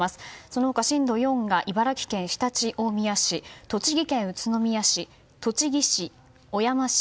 その他、震度４が茨城県常陸大宮市栃木県宇都宮市、栃木市、小山市